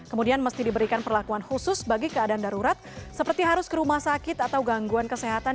kemudian mesti diberikan perlakuan khusus bagi keadaan darurat seperti harus ke rumah sakit atau gangguan kesehatan